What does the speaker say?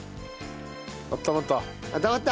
あったまった。